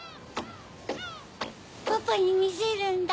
・パパにみせるんだ。